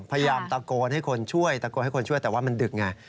พยายามตะโกนให้คนช่วยแต่ว่ามันดึกไง